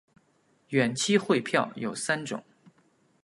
远期汇票有三种。